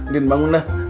din bangun dah